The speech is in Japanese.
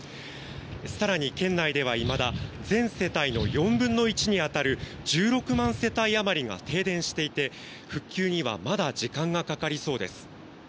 更に、県内でいまだ全世帯の４分の１に当たる１６万世帯あまりが停電していて復旧にはまだ時間がかかりそうです。